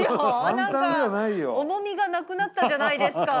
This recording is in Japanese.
何か重みがなくなったじゃないですか。